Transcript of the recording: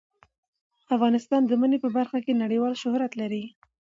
افغانستان د منی په برخه کې نړیوال شهرت لري.